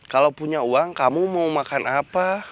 kalau punya uang kamu mau makan apa